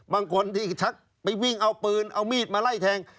บางคนที่ชักไปวิ่งเอาปืนเอามีดมาไล่แทง